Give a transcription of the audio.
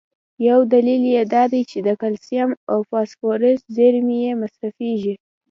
یو دلیل یې دا دی چې د کلسیم او فاسفورس زیرمي یې مصرفېږي.